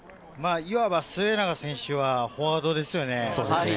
末永選手はフォワードですよね？